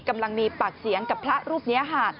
กำลังมีปากเสียงกับพระรูปนี้ค่ะ